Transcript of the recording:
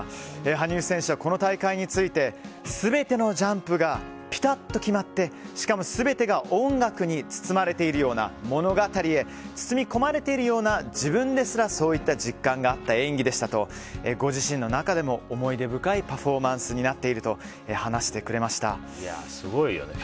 羽生選手はこの大会について全てのジャンプがピタッと決まってしかも全てが音楽に包まれているような物語へ包み込まれているような自分ですらそういった実感があった演技でしたとご自身の中でも思い出深いパフォーマンスになっているとすごいよね。